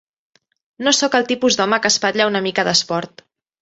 No soc el tipus d'home que espatlla una mica d'esport.